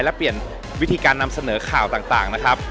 และเปลี่ยนวิธีการนำเสนอข่าวต่างนะครับ